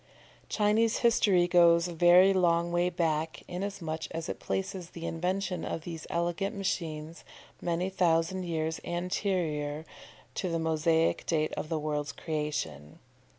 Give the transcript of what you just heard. Chinese history goes a very long way back, inasmuch as it places the invention of these elegant machines many thousand years anterior to the Mosaic date of the world's creation.